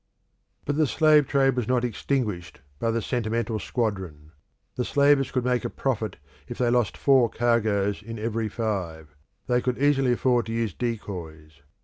But the slave trade was not extinguished by the "sentimental squadron." The slavers could make a profit if they lost four cargoes in every five; they could easily afford to use decoys.